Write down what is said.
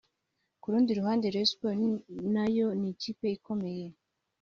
Ku rundi ruhande Rayon Sports nayo ni ikipe ikomeye